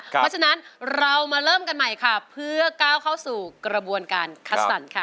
เพราะฉะนั้นเรามาเริ่มกันใหม่ค่ะเพื่อก้าวเข้าสู่กระบวนการคัดสรรค่ะ